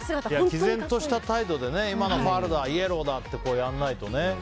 毅然とした態度で今のファウルだ、イエローだってやんないとね。